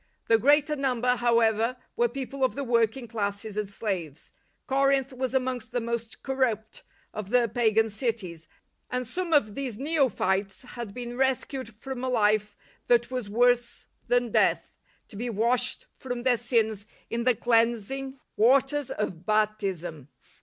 The greater number, however, were people of the working classes and slaves. Corinth was amongst the most corrupt of the pagan cities, and some of these neophytes had been rescued from a life that was worse than death, to be washed 8o LIFE OF ST. PAUL from their sins in the cleansing waters of Baptism.